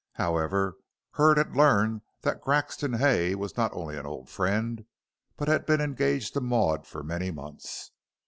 However, Hurd had learned that Grexon Hay not only was an old friend, but had been engaged to Maud for many months.